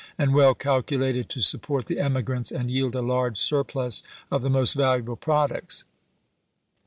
. and well calculated to support the emigrants and yield a large surplus of the most valuable products.